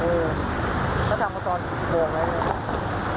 เออแล้วทำกับตอนโปร่งอะไรด้วยครับ